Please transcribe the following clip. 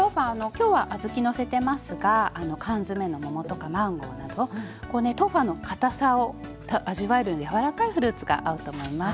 きょうは小豆のせてますが缶詰の桃とかマンゴーなどこうね豆花のかたさを味わえるように柔らかいフルーツが合うと思います。